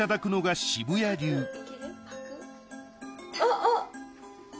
あっあっ。